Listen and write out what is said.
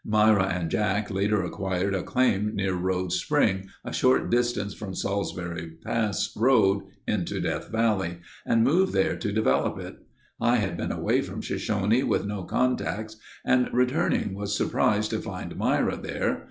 Myra and Jack later acquired a claim near Rhodes Spring, a short distance from Salsbury Pass road into Death Valley and moved there to develop it. I had been away from Shoshone with no contacts and returning was surprised to find Myra there.